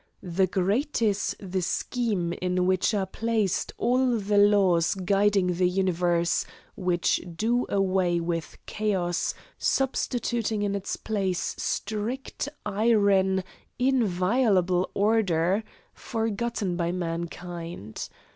The grate is the scheme in which are placed all the laws guiding the universe, which do away with chaos, substituting in its place strict, iron, inviolable order, forgotten by mankind.